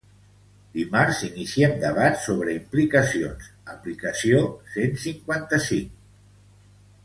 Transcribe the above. Dimarts iniciem debat sobre implicacions aplicació cent cinquanta-cinc.